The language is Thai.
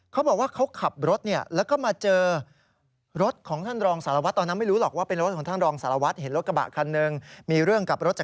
เขาบอกว่าเขาขับรถเนี่ยเขามายังมาเจอ